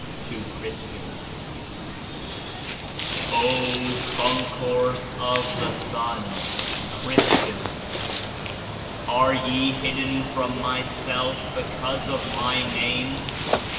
(G. T. 8j,) TO CHRLyTIANS "O Concourse of the Son (Christians) ! Are ye hidden from Myself because of My Name?